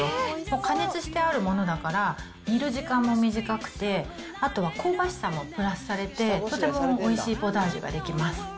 加熱してあるものだから、煮る時間も短くて、あとは香ばしさもプラスされて、とてもおいしいポタージュが出来ます。